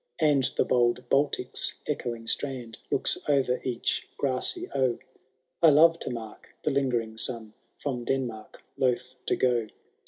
And the bold Baltic's echoing strand Looks o'er each grassy oe.^ I love to mark the lingering sun. From Denmark loth to go.